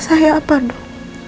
saya apa nuh